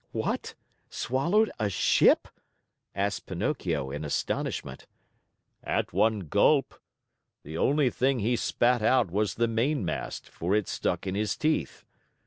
"What! Swallowed a ship?" asked Pinocchio in astonishment. "At one gulp. The only thing he spat out was the main mast, for it stuck in his teeth.